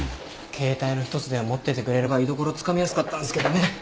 携帯の一つでも持っててくれれば居所つかみやすかったんすけどね。